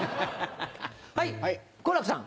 はい好楽さん。